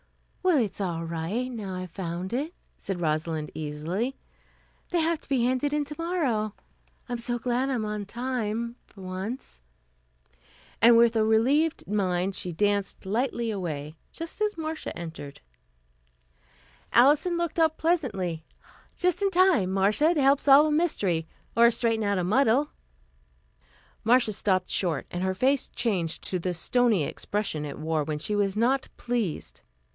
"Well, it's all right, now I've found it," said Rosalind easily. "They have to be handed in tomorrow. I'm so glad I'm on time, for once." And with a relieved mind she danced lightly away, just as Marcia entered. Alison looked up pleasantly. "Just in time, Marcia, to help solve a mystery, or straighten out a muddle." Marcia stopped short and her face changed to the stony expression it wore when she was not pleased.